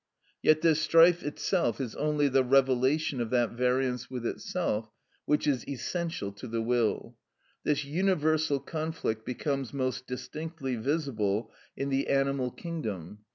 Metaph., B. 5). Yet this strife itself is only the revelation of that variance with itself which is essential to the will. This universal conflict becomes most distinctly visible in the animal kingdom.